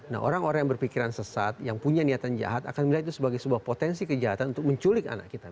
nah orang orang yang berpikiran sesat yang punya niatan jahat akan melihat itu sebagai sebuah potensi kejahatan untuk menculik anak kita